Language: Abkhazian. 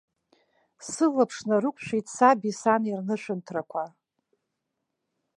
Сылаԥш нарықәшәеит саби сани рнышәынҭрақәа.